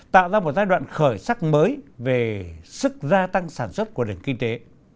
tạo ra một giai đoạn khởi sắc mới về sức gia tăng sản xuất của nền kinh tế